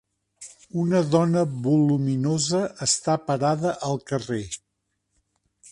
una dona voluminosa està parada al carrer